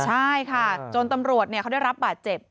ใช่ค่ะจนตำรวจเขาได้รับบาดเจ็บ